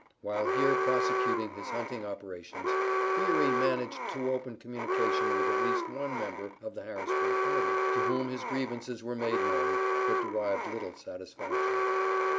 While here prosecuting his hunting operations, Fiery managed to open communication with at least one member of the Harrisburg Committee, to whom his grievances were made known, but derived little satisfaction.